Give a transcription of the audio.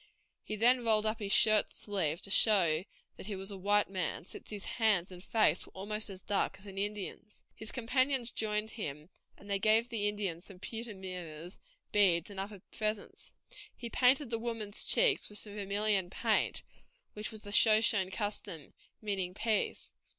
He then rolled up his shirt sleeve to show that he was a white man, since his hands and face were almost as dark as an Indian's. His companions joined him, and they gave the Indians some pewter mirrors, beads, and other presents. He painted the women's cheeks with some vermilion paint, which was the Shoshone custom, meaning peace.